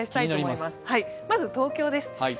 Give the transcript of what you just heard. まず東京です。